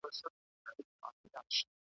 په خپل لاس کښې لکه جام دې ګرزؤمه